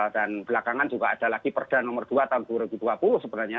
dan belakangan juga ada lagi perda nomor dua tahun dua ribu dua puluh sebenarnya